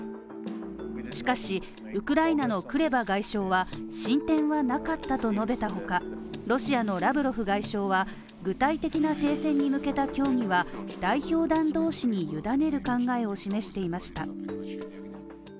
しかしウクライナのクレバ外相は、進展はなかったと述べたほか、ロシアのラブロフ外相は、具体的な停戦に向けた協議は代表団同士に委ねる考えを示していました。